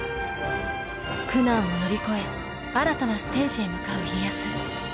苦難を乗り越え新たなステージへ向かう家康。